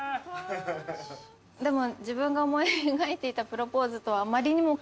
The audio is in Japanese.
でも。